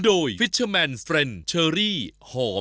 โอ้โหโอ้โหโอ้โห